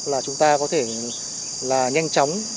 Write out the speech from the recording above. là chúng ta có thể nhanh chóng